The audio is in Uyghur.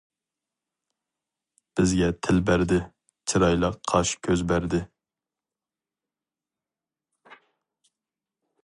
بىزگە تىل بەردى، چىرايلىق قاش-كۆز بەردى.